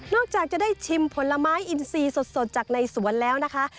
จากจะได้ชิมผลไม้อินซีสดจากในสวนแล้วนะคะ